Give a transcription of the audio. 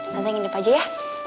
tante nginep aja ya